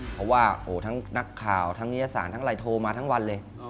เพราะว่าทั้งนักข่าวทั้งนิยสารทั้งอะไรโทรมาทั้งวันเลย